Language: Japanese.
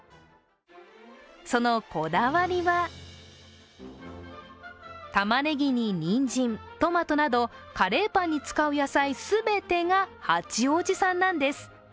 そのこだわりは、たまねぎににんじん、トマトなどカレーパンに使う野菜全てが八王子産なんです。